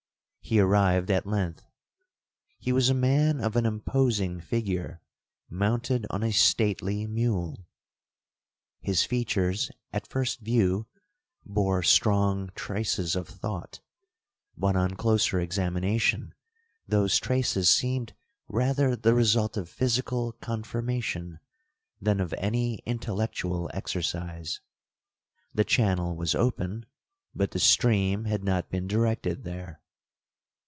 He arrived at length. He was a man of an imposing figure, mounted on a stately mule. His features, at first view, bore strong traces of thought; but, on closer examination, those traces seemed rather the result of physical conformation, than of any intellectual exercise. The channel was open, but the stream had not been directed there.